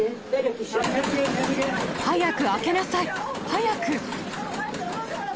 早く開けなさい、早く！